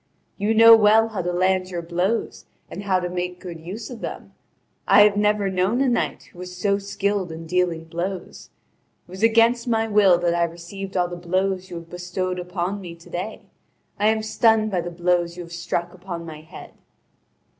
You know well how to land your blows and how to make good use of them: I have never known a knight who was so skilled in dealing blows. It was against my will that I received all the blows you have bestowed on me to day; I am stunned by the blows you have I struck upon my head."